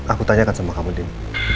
aku tanyakan sama kamu tim